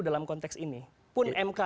dalam konteks ini pun mk